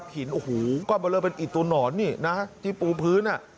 หินก็มาเลิกเป็นอีกตัวหนอนที่ปูพื้น